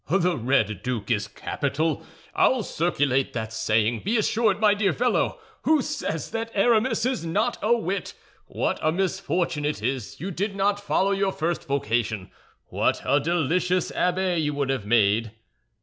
"The Red Duke is capital. I'll circulate that saying, be assured, my dear fellow. Who says this Aramis is not a wit? What a misfortune it is you did not follow your first vocation; what a delicious abbé you would have made!"